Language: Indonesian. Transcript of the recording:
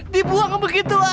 dibuang begitu aja